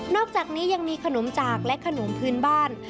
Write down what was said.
อกจากนี้ยังมีขนมจากและขนมพื้นบ้าน